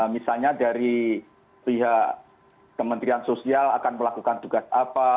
misalnya dari pihak kementerian sosial akan melakukan tugas apa